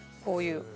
こういう。